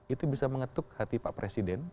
itu bisa mengetuk hati pak presiden